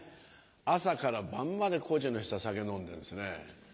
朝から晩まで高知の人は酒飲んでんですね。